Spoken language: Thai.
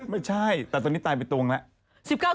ไม่ใช่แต่ตอนนี้ตายไปตรงแล้ว